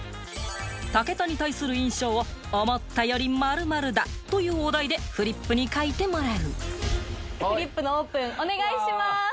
武田に対する印象を「思ったより○○だ」というお題でフリップに書いてもらうフリップのオープンお願いします。